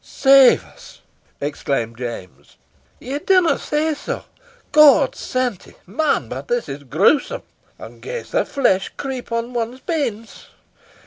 "Save us!" exclaimed James. "Ye dinna say so? God's santie! man, but this is grewsome, and gars the flesh creep on one's banes.